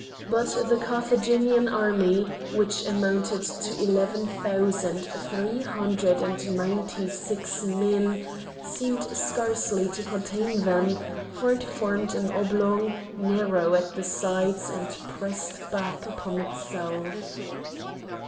But the Carthaginian army, which amounted to eleven thousand three hundred and ninety six men, seemed scarcely to contain them, for it formed an oblong, narrow at the sides and pressed back upon itself.